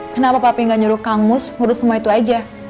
kenapa papi gak nyuruh kamus ngurus semua itu aja